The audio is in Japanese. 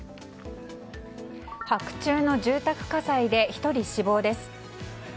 白昼の住宅火災で１人死亡です。